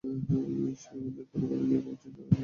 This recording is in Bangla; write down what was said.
সে আমাদের পরিবার নিয়ে খুব চিন্তা করে।